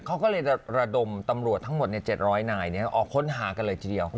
เขาก็เลยระดมตำรวจทั้งหมด๗๐๐นายออกค้นหากันเลยทีเดียว